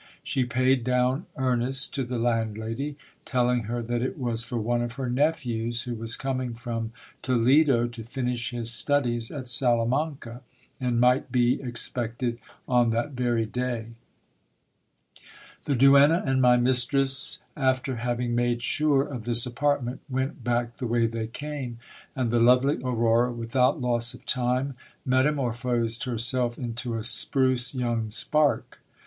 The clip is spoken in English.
She paid down earnest to the landlady, telling her that it was for one of her nephews who was coming from Toledo to finish his studies at Salamanca, and might be ex pected on that very day. The duenna and my mistress, after having made sure of this apartment, went back the way they came, and the lovely Aurora, without loss of time, metamor phosed herself into a spruce young spark.